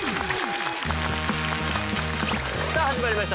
さあ始まりました